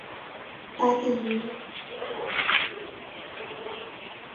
巴蒂尼。